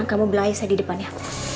kamu bilang aja saya di depannya